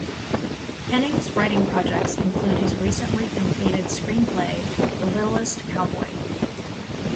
Hennings' writing projects include his recently completed screenplay, "The Littlest Cowboy".